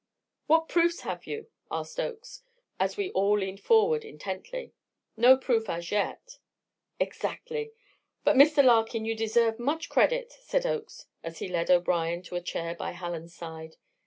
"What proofs have you?" asked Oakes, as we all leaned forward intently. "No proof as yet." "Exactly! But, Mr. Larkin, you deserve much credit," said Oakes, as he led O'Brien to a chair by Hallen's side.